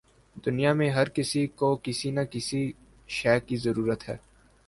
دنیا میں ہر کسی کو کسی نہ کسی شے کی ضرورت ہے۔